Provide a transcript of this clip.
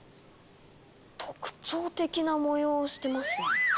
特徴的な模様をしてますね。